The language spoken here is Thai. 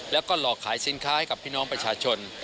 แล้วก็หลอกขายสินค้าให้กับพี่น้องประชาชน